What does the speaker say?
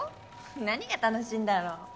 何が楽しいんだろ？